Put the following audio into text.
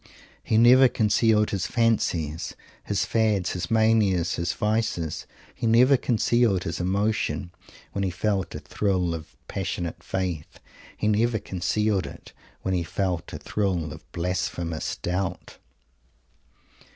He never concealed his fancies, his fads, his manias, his vices. He never concealed his emotion when he felt a thrill of passionate faith. He never concealed it when he felt a thrill of blasphemous doubt.